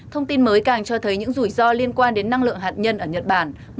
thông tin mới càng cho thấy những rủi ro liên quan đến năng lượng hạt nhân ở nhật bản